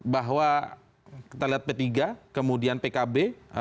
bahwa kita lihat p tiga kemudian pkb